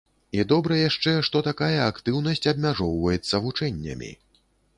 І добра яшчэ, што такая актыўнасць абмяжоўваецца вучэннямі.